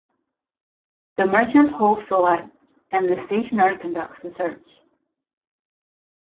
The merchant holds the light, and the stationer conducts the search.